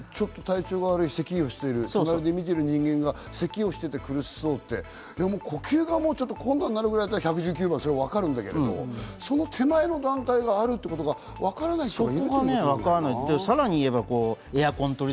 でもちょっと体調悪い、咳をしている、隣で見ている人間がせきをしていて苦しそうと、呼吸が困難になるくらいだったら、１１９番は分かるけれども、その手前の段階があるということがわからない人がいるということで。